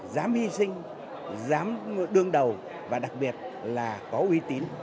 dám hy sinh dám đương đầu và đặc biệt là có uy tín